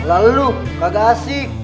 lalu gak asik